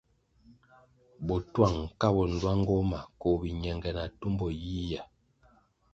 Botuang ka bo nluangoh ma koh biñenge na tumbo yiyia.